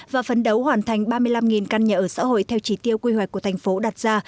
và phấn đấu hoàn thành ba mươi năm căn nhà ở xã hội theo chỉ tiêu quy hoạch của thành phố đặt ra